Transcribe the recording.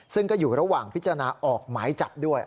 ซึ่งก็อยู่ระหว่างพิจารณาออกหมายจับด้วย